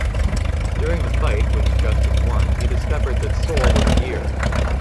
During the fight, which Justice won, he discovered that Sol was a Gear.